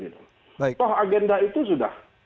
toh agenda itu sudah